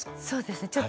そうですね。